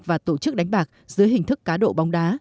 và tổ chức đánh bạc dưới hình thức cá độ bóng đá